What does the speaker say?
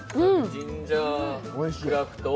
ジンジャークラフト